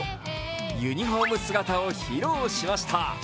ユニフォーム姿を披露しました。